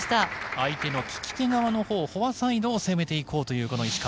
相手の利き手側のほうフォアサイドを攻めていこうという石川。